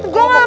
gue gak mau